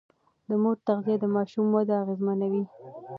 د مور تغذيه د ماشوم وده اغېزمنوي.